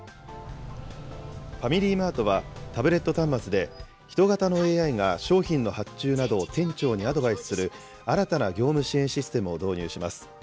ファミリーマートは、タブレット端末で人型のＡＩが商品の発注などを店長にアドバイスする新たな業務支援システムを導入します。